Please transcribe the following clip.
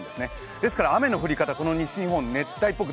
ですから雨の降り方、西日本、熱帯ぽく